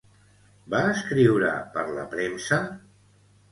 Va escriure per la premsa?